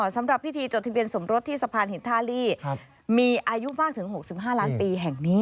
สำหรับพิธีจดทะเบียนสมรสที่สะพานหินท่าลีมีอายุมากถึง๖๕ล้านปีแห่งนี้